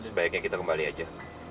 sebaiknya kita kembali aja